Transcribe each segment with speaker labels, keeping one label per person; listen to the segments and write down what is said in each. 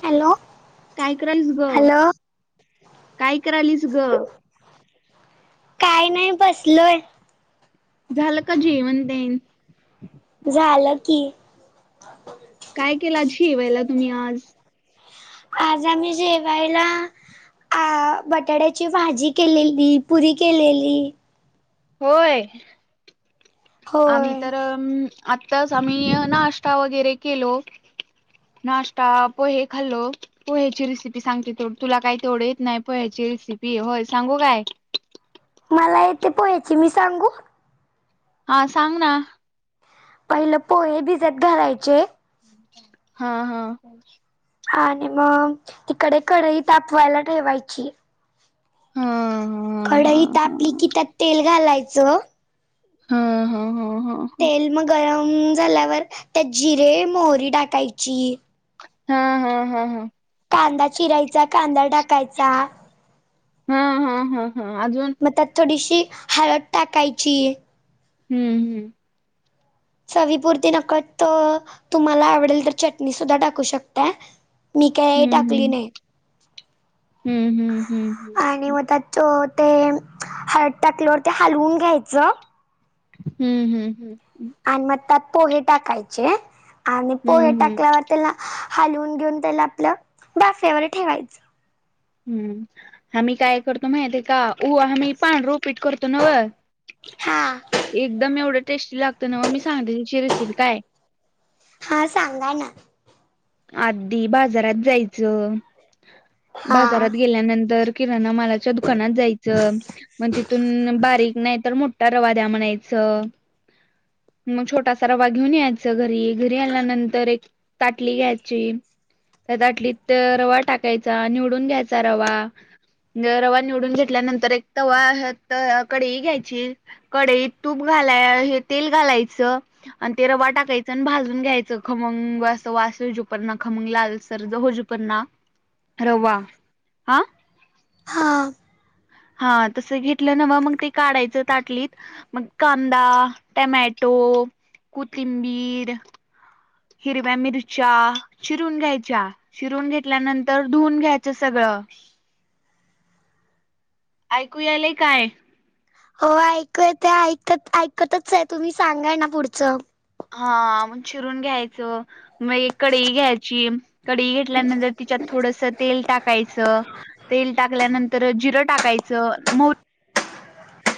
Speaker 1: Hello,
Speaker 2: काय करालीस गं?
Speaker 1: हॅलो
Speaker 2: काय करालीस गं?
Speaker 1: काही नाही बसलोय.
Speaker 2: झालं का जेवण बेन?
Speaker 1: झालं की.
Speaker 2: काय केलं जेवायला तुम्ही आज?
Speaker 1: आज आम्ही जेवायला अ बटाट्याची भाजी केलेली पुरी केलेली.
Speaker 2: होय आम्ही
Speaker 1: होय
Speaker 2: तर आत्ताच आम्ही नाश्ता वगैरे केलो नाश्ता पोहे खाल्लो पोह्याची रेसिपी सांगते ते तुला काय तेवढ येत नाही पोह्याची रेसिपी होय सांगू काय
Speaker 1: मला येथे पोहायचे मी सांगू
Speaker 2: हा सांग ना
Speaker 1: पहिलं पोहे भिजत घालायचे
Speaker 2: हा हा
Speaker 1: हा आणि मग तिकडे कढई तापवायला ठेवायची
Speaker 2: ह
Speaker 1: कडईत आपली कि त्यात तेल घालायचं
Speaker 2: हा हा हा
Speaker 1: तेल मग गरम झाल्यावर त्यात जिरे मोहरी टाकायची
Speaker 2: हा हा हा हा
Speaker 1: कांदा चिरायचा कांदा टढाकायचा
Speaker 2: हा हा हा हा अजून
Speaker 1: ची हलत टाकायची
Speaker 2: हम्म हम्म
Speaker 1: चवीपुरती नकत तुम्हाला आवडेल तर चटणी सुद्धा टाकू शकता मी काही टाकली
Speaker 2: हम्म
Speaker 1: नाही
Speaker 2: हम्म हम्म हम्म हम्म.
Speaker 1: आणि मग त्या चो ते हळद टाकल्यावर ते हलवून घ्यायचं
Speaker 2: हम्म हम्म हम्म
Speaker 1: आणि मग त्यात पोहे टाकायचे आणि पोहे
Speaker 2: हम्म, हम्म,
Speaker 1: टाकल्यावर त्याला हलवून घेऊन त्याला आपलं बाफ्यावर ठेवायचं
Speaker 2: हम्म आम्ही काय करतो माहि ते का उ आ मी पान रोपीट करतो नव
Speaker 1: हा
Speaker 2: एकदम एवढं टेस्टी लागतं ना मग मी सांगते त्यािची रेसिपी काय
Speaker 1: हा सांगा ना
Speaker 2: आधी बाजारात जायचं
Speaker 1: हा
Speaker 2: बाजारात गेल्यानंतर मालाच्या दुकानात जायच मग तिथून बारीक नाही तर परवा द्या म्हणायच. मग छोटासा रवा घेऊन यायच घरी. घरी आल्यानंतर एक ताट टली घ्यायची त्या दाटलीत रवा टाकायचा निवडून घ्यायचा रवा े रवा निवडून घेतल्यानंतर एक तवा कढई घ्यायची कडई तूप घालाय हे तेल घालायचं आणि ते रवा टाकायचं आणि भाजून घ्यायचं खमंग वासजपणना खमंगलाल सरज होजू पना रवा हा
Speaker 1: हा
Speaker 2: हा तस घेतलं ना मग ते काढायचं ताटलीत मग कांदा टमॅटो हो कुतीिमबीर हिरव्या मिरच्या चिरून घ्यायच्या चिरून घेतल्यानंतर धुवून घ्यायच सगळं ह ऐकूयालाय काय
Speaker 1: हो ऐकय ते ऐकत ऐकतच आहे तुम्ही सांगा ना पुढचं
Speaker 2: हा मग चिरून घ्यायचं मग एक कडई घ्यायची कडी घेतल्यानंतर तिच्यात थोडस तेल टाकायचं तेल टाकल्यानंतर जिरं टाकायचं म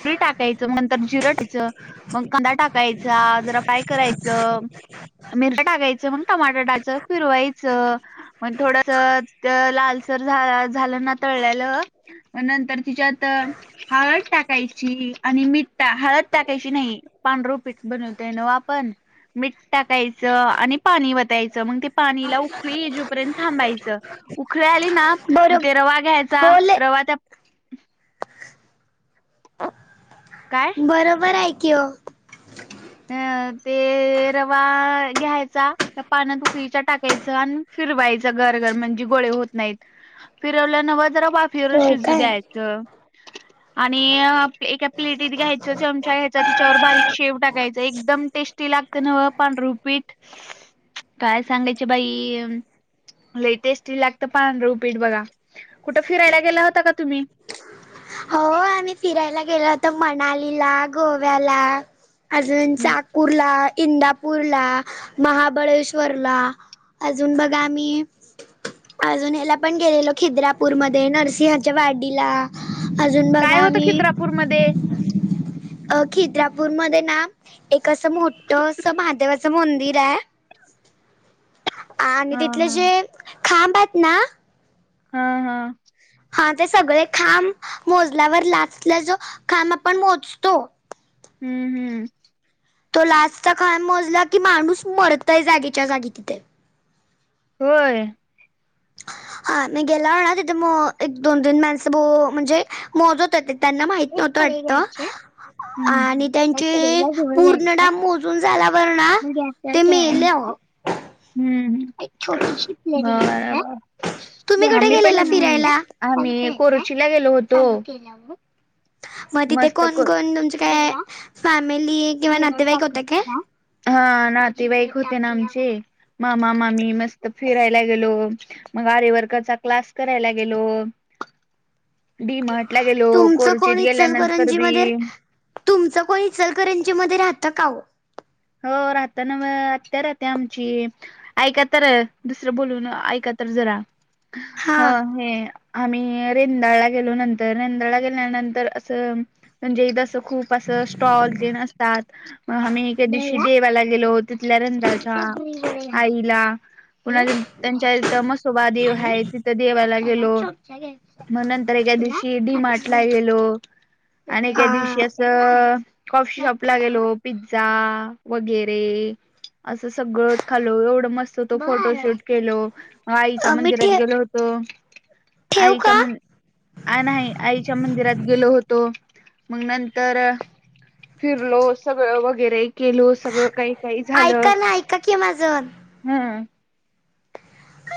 Speaker 2: पुरी टाकायचं मग नंतर जिरं टायचं मग कांदा टाकायचा जरा फ्राय करायचं मिर टाकायचं मग टमाट टायच फिरवायचं मग थोडस लाल झा ना तलं नंतर तच्यात हा आणि मठठा हळद टाकायची नाही पांढर पीठ बनवते न आपण मिठ टाकायचं आणि पाणी वाटतच मग ते पाणी ला उखळी येऊपर्यंत थांबायच उखळी आली ना मग
Speaker 1: बरोब
Speaker 2: ते रवा घ्यायचा
Speaker 1: हो ले
Speaker 2: रवा त्या काय
Speaker 1: बरोबर आहे कि ओ.
Speaker 2: अ ते रवा घ्यायचा पाण्यातत उकळीच्या टाकायच अन फिरवायचं गरगर म्हणजे गोळे होत नाहीत. फिरवलं नव्ह जरा वाफ फिरू
Speaker 1: होय
Speaker 2: शिजू
Speaker 1: काय?
Speaker 2: द्यायचं आणि एका प्लेटीत घ्यायचं चमचा घ्यायचा त्याच्यावर बारीक शेव टाकाय एकदम टेस्टी लागते नव पांढर उपीट. काय सांगायच बाई. लई टेस्टी लागत पांढर ऊपीट बघा. कुठं फिरायला गेला होता का तुम्ही?
Speaker 1: हो आम्ही फिरायला गेलो होतो मनालीला गोव्याला. अजून चाकूरला इंदापूरला महाबळेश्वरला अजून बघा आम्ही अजून याला पण गेलेलो खिद्रापूरमध्ये नरसिंहाच्या वाडीला अजून बघ
Speaker 2: काय होत खिद्रापूरमध्ये?
Speaker 1: अ खिद्रापूर मध्ये ना एक असं मोठ अस महादेवा च मंदिर आहे आणि
Speaker 2: हा
Speaker 1: तिथले
Speaker 2: हा
Speaker 1: जे खांब आहेत ना.
Speaker 2: ह, ह.
Speaker 1: हा ते सगळे खांब मोजल्यावर लास्टला जो खांब आपण मोजतो.
Speaker 2: हम्म, हम्म.
Speaker 1: तो लास्टचा खांब मोजला की माणूस मरतय जागेच्या जागी तिथे.
Speaker 2: होय.
Speaker 1: हा मी गेला हो ना तिथे म एक दोन तीन माणसं म्हणजे मोजत होते त्यांना माहित नव्हतं वाटत
Speaker 2: हम्म
Speaker 1: आणि त्यांचे पूर्णडम मोजून झाला झाल्यावर
Speaker 2: गॅसवर
Speaker 1: ते मेले. [inaudible]
Speaker 2: ठेवायचं. हम्म छोटी
Speaker 1: तुम्ही कुठे गेलेला
Speaker 2: पण
Speaker 1: फिरायला?
Speaker 2: आ [inaudible] कोरुचीला गेलो होतो.
Speaker 1: मग तिथे
Speaker 2: मस्त
Speaker 1: कोण
Speaker 2: क
Speaker 1: कोण तुमचे काय फॅम मिली किवा नातेवाईक होत काय?
Speaker 2: हा नातेवाईक होते ना आमचे. मामा मामी मस्त फिरायला गेलो मग आरे वर्करचा क्लास करायला गेलो. डी मार्ट गेलो
Speaker 1: तुमचं कोण
Speaker 2: कोरुचीत गेल्यानंतर
Speaker 1: इचलकरंजी
Speaker 2: बी
Speaker 1: मध्ये तुमचं कोणी इचलकरंजी मध्ये राहतं का वो?
Speaker 2: हो राहत नव आत्या राहते आमची. ऐका तर दुसरं बोलून ऐका तर जरा ह
Speaker 1: हा
Speaker 2: हे आम्ही रेंडाळ ला गेलो नंतर रेंडाळ ला गेल्यानंतर असं म्हणजे जस खूप अस स्टॉल तेन असतात म आम्ही एके दिवशी देवाला गेलो तिथल्या रंदाचा आईला. पुन्हा त्यांच्या इथं म्हसोबा देव आहे तिथ देवाला गेलो. मग नंतर एका दिवशी डी मार्ट गेलो. आणि त्या दिवशी
Speaker 1: हा
Speaker 2: असं कॉफी शॉपला गेलो पिझ्झा वगैरे असं सगळंच खालो एवढं मस्त तो फोटो शूट केलो मग आईच्या
Speaker 1: मी
Speaker 2: मंदिरात
Speaker 1: ठे
Speaker 2: गेलो होतो
Speaker 1: ठेवू
Speaker 2: आईच्या
Speaker 1: का?
Speaker 2: म नाही आईच्या मंदिरात गेलो होतो. मग नंतर फिरलो सगळं वगैरे. गेलो सगळं काही काही झालं
Speaker 1: ऐका ना ऐका की माझं
Speaker 2: हम्.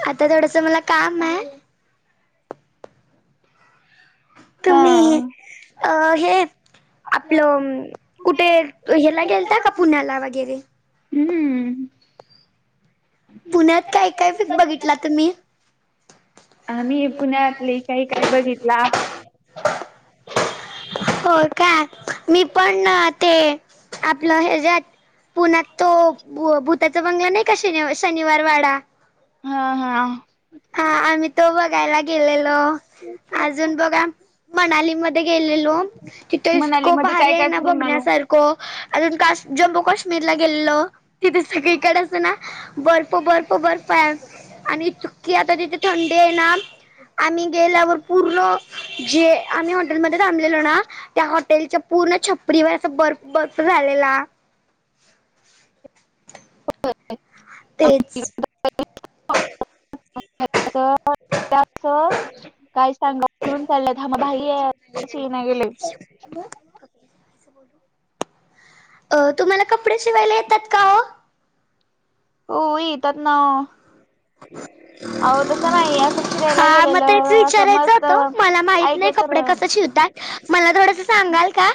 Speaker 1: आता थोडस मला काम आहे.
Speaker 2: हा.
Speaker 1: तुम्ही अ हे आपलं कुठे ह्याला गेलता का पुण्याला वगैरे?
Speaker 2: हम्म
Speaker 1: पुण्यात काय काय बघितला तुम्ही? [inaudible]
Speaker 2: आम्ही पुण्यातले काही काय बघितला.
Speaker 1: हो का मी पण ते आपल यांच्यात पुण्यात तो भूताचा बंगला नाही का शनिवार वाडा
Speaker 2: हा हा
Speaker 1: हा आम्ही तो बघायला गेलेलो अजून बघूया. मनाली मध्ये गेलेलो तिथे इतक
Speaker 2: मनालीमध्ये
Speaker 1: भारी
Speaker 2: काय
Speaker 1: आहे
Speaker 2: काय
Speaker 1: ना
Speaker 2: फिरून आलो.
Speaker 1: बघण्यासारख अजून काश जम्मू काश्मीरला गेलेलो तिथे सगळीकडे अस ना बर्फ बर्फ बर्फ आहे आणि कि आता तिथे थंडी आहे ना आम्ही गेल्यावर पूर्ण जे आम्ही हॉटेलमध्ये थांबलेलो ना त्या हॉटेलच्या पूर्ण छपरीवर असा बर्फ बर्फ झालेला
Speaker 2: ह
Speaker 1: तेच
Speaker 2: अस काय सांगारून चाललंयत हमा भाई आहेच ल नाही गेले
Speaker 1: हो अ तुम्हाला कपडे शिवायला येतात का
Speaker 2: हो येेतत ना अहो तसं नाही असं फिरायला
Speaker 1: हा मग तेच
Speaker 2: गेलेलं असं
Speaker 1: विचारायचं
Speaker 2: मस्त
Speaker 1: होतं मला माहित
Speaker 2: ऐक
Speaker 1: नाही
Speaker 2: तर
Speaker 1: कपडे कसं मला थोडस सांगाल का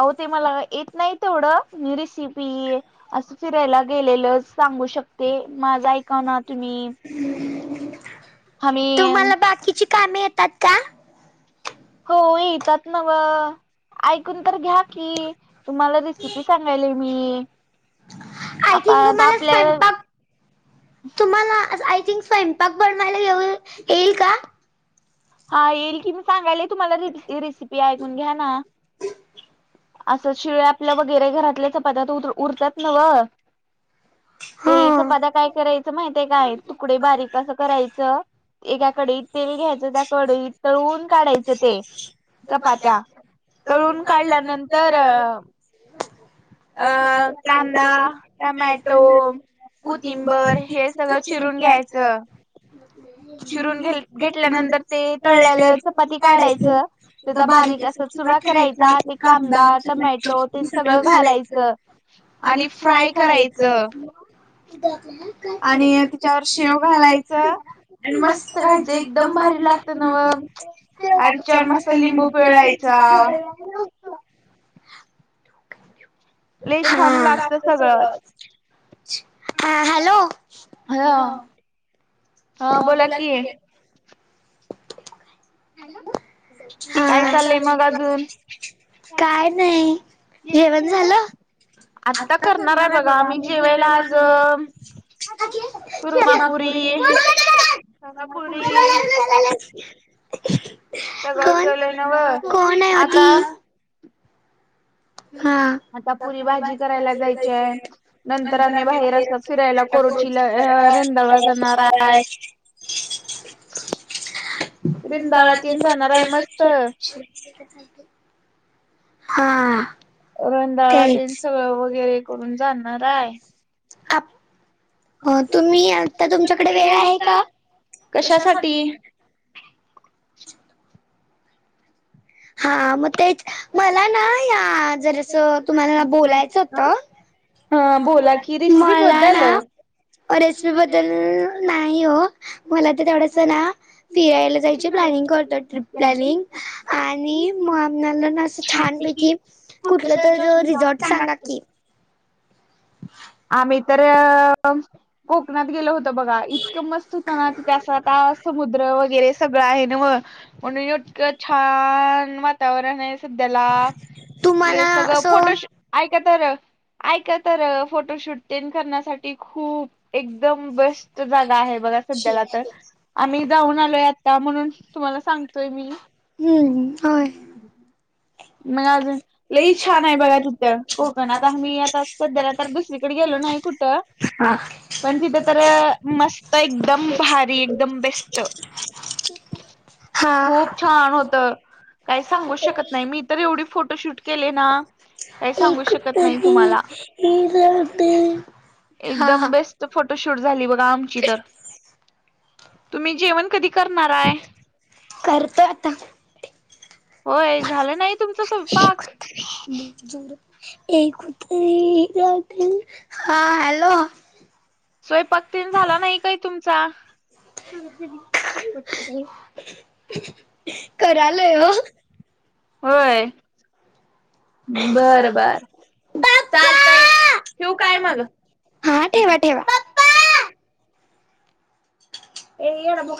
Speaker 2: अहो ते मला येत नाही तेवढं रेसिपी असं फिरायला गेलेलं सांगू शकते, माझ ऐका ना तुम्ही आम्ही
Speaker 1: तुम्हाला बाकीची कामे येतात का?
Speaker 2: हो, येतात नव ऐकून तर घ्या कि तुम्हाला रेसिपी सांगायले मी.
Speaker 1: आय थिंक
Speaker 2: आपण
Speaker 1: तुम्हाला
Speaker 2: आपल्या
Speaker 1: स्वयंपाक, तुम्हाला आय थिंक स्वयंपाक बनवायला येईल का?
Speaker 2: हा येईल की, मी सांगायले तुम्हाला रेसिपी ऐकून घ्या ना. असं शिळे आपल्या वगैरे घरातल्या चपात्या तर उरतात नव
Speaker 1: हो
Speaker 2: ते चपात्या काय करायचं माहित आहे काय तुकडे बारीक असं करायचं एकाकडे तेल घ्यायचं त्या कडईत तळून काढायचं ते
Speaker 1: चपट्या
Speaker 2: चपात्या तळून काढल्यानंतर
Speaker 1: अ कांदा टमॅटो कुथिंब
Speaker 2: कोथिंबर
Speaker 1: हे
Speaker 2: सगळं
Speaker 1: सळं चल
Speaker 2: चिरून घ्यायचं
Speaker 1: घ्यायचं चिरून
Speaker 2: घे घेतल्यानंतर ते
Speaker 1: गेंतरच
Speaker 2: तळल्याला चपाती
Speaker 1: काढायचं
Speaker 2: काढायचं
Speaker 1: तधा
Speaker 2: त्याचा
Speaker 1: बारीक अस
Speaker 2: असा
Speaker 1: चुगा
Speaker 2: चुरा
Speaker 1: ठेरायचा
Speaker 2: करायचा ते
Speaker 1: कांदा
Speaker 2: टमॅटो ते
Speaker 1: कमायच सगळं घालायचं आणि फ्राय करायचं आणि तिच्या शिर घालायचं आणि मस्त राहायचे, एकदम भारी लागत आणि चार मस्त लिंबू पिळायचा
Speaker 2: लय छान
Speaker 1: हा.
Speaker 2: लागत सगळंच
Speaker 1: ह, हॅलो?
Speaker 2: ह हा, बोला कि काय
Speaker 1: हा.
Speaker 2: चाललंय मग अजून
Speaker 1: काय नाही, जेवण झालं? आता करणार आहे बघा, जेवाला आज
Speaker 2: कुरमापुरी
Speaker 1: [unintelligible] [inaudible]
Speaker 2: पुरी
Speaker 1: [unintelligible] [inaudible]
Speaker 2: सगळं
Speaker 1: कोण?
Speaker 2: केलंय नव
Speaker 1: कोण आहे वो ती?
Speaker 2: आता
Speaker 1: हा
Speaker 2: आता पुरी भाजी करायला जायची आहे, नंतर आम्ही बाहेर असत फिरायला रोचीला रेंदाला जाणारा आहे. रेंगाळला तेन जाणार आहे मस्त
Speaker 1: हा.
Speaker 2: रेंदाळा तेन
Speaker 1: तेच
Speaker 2: सगळं वगैरे करून जाणार आहे
Speaker 1: हो, तुम्ही आता तुमच्याकडे वेळ आहे का? कशासाठी? [unintelligible] [inaudible] हा, मग तेच, मला ना या जर अस तुम्हाला बोलायचं होतं.
Speaker 2: अ बोला की रेसिपी
Speaker 1: मला
Speaker 2: बद्दल
Speaker 1: ना, रेसिपी बद्दल नाही हो मला तर एवढस ना, फिरायला जायच प्लॅनिंग करतो ट्रिप प्लॅनिंग आणि म ना असं छान पैकी, कुठलं तर रिझॉर्ट सांगा की [unintelligible] [inaudible]
Speaker 2: आम्ही तर कोकणात गेलो होतो. बघा इतकं मस्त होत ना तिथे असं आता समुद्र वगैरे सगळं आहे ना मग म्हक छान वातावरण आहे सध्याला कि
Speaker 1: तुम्हाला
Speaker 2: सगळं
Speaker 1: असं
Speaker 2: फोटोशू ऐका तर ऐका तर फोटोशूट ट करण्यासाठी खूप एक एकदम बेस्ट जागा आहे बघा सध्याला तर आम्ही जाऊन आलोय आता म्हणून तुम्हाला सांग तोय मी
Speaker 1: हम्म
Speaker 2: हो
Speaker 1: होय
Speaker 2: मग अज लई छान आहे बघा तिथं कोकण आता मी आता सध्याला तर दुसरीकडे गेलो नाही कुठं
Speaker 1: हा.
Speaker 2: पण तिथे तर मस्त एकदम भारी एकदम बेस्ट
Speaker 1: हा.
Speaker 2: खूप छान होत, काही सांगू शकत नाही मी. तर एवढी फोटोशूट केले ना काही सांगू
Speaker 1: एक
Speaker 2: शकत नाही
Speaker 1: तरी
Speaker 2: तुम्हाला.
Speaker 1: इरादे हा हा
Speaker 2: एकदम बेस्ट फोटोशूट झाली बघा आमची तर तुम्ही जेवण कधी करणार आहे.
Speaker 1: करतो आता
Speaker 2: होय झालं नाही तुमच
Speaker 1: एक
Speaker 2: पाक
Speaker 1: तरी एक कु हा हॅलो
Speaker 2: स्वयंपाक तन झाला नाही काय तुमचा
Speaker 1: करा आल हो
Speaker 2: होय
Speaker 1: बर बर ब तू काय मग
Speaker 2: हा ठठी वाट
Speaker 1: ए या ब